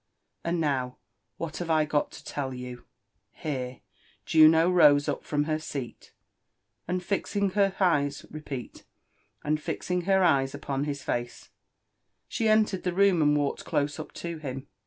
And now, what have I got to tell you ?" Here Juno rose up from her seat, and fixing her eyes upon his face, she entered the room and walked close up to him.